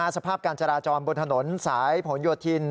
สภาพการจราจรบนถนนสายผลโยธิน